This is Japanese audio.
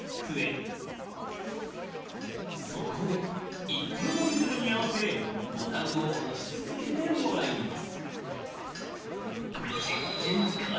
そこで一定のリズムに合わせボタンを押し続けてもらいます。